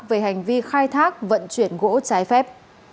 về hành vi khai thác vận chuyển gỗ trái phép